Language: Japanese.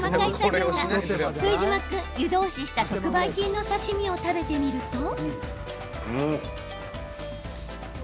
副島君、湯通しした特売品の刺身を食べてみると。